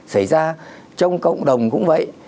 xảy ra trong cộng đồng cũng vậy